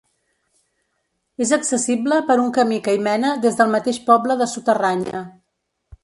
És accessible per un camí que hi mena des del mateix poble de Suterranya.